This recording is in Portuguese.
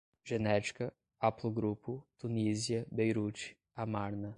genética, haplogrupo, Tunísia, Beirute, Amarna